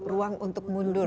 ruang untuk mundur